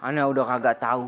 anda udah kagak tau